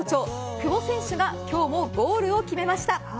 ・久保選手が今日もゴールを決めました。